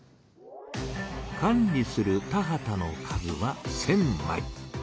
管理する田畑の数は１，０００まい。